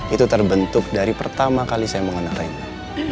itu terbentuk dari pertama kali saya mengenal rena